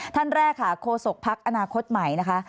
ท่านแรกค่ะโคศกพักอนาคตใหม่นะคะ